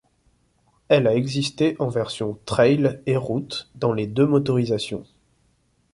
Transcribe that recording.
Elle a existé en version trail et route dans les deux motorisations.